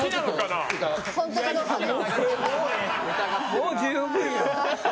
もう十分や。